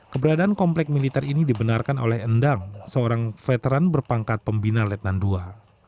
keberadaan komplek militer ini dibenarkan oleh endang seorang veteran berpangkat pembina letnan ii